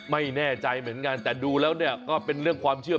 ไม่แน่ใจเหมือนกันแต่ดูแล้วเนี่ยก็เป็นเรื่องความเชื่อ